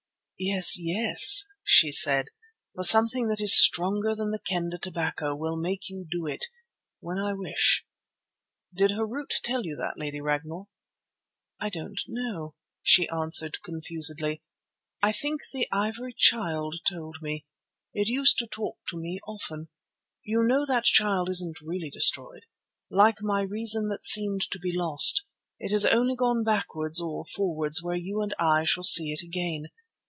"Yes, yes!" she said, "for something that is stronger than the Kendah tobacco will make you do it—when I wish." "Did Harût tell you that, Lady Ragnall?" "I don't know," she answered confusedly. "I think the Ivory Child told me; it used to talk to me often. You know that Child isn't really destroyed. Like my reason that seemed to be lost, it has only gone backwards or forwards where you and I shall see it again.